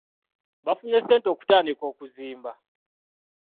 Baafunye ssente okutandika okuzimba.